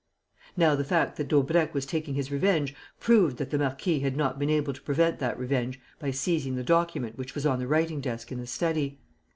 Now the fact that Daubrecq was taking his revenge proved that the marquis had not been able to prevent that revenge by seizing the document which was on the writing desk in the study.